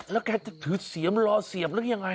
แล้วแกจะถือเสียมรอเสียบหรือยังไง